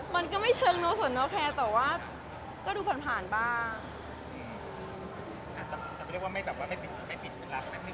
มันก็ไม่เชิงโนเซอร์แต่ปล่อยดูผ่านบ้าง